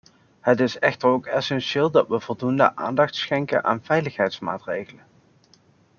Het is echter ook essentieel dat we voldoende aandacht schenken aan veiligheidsmaatregelen.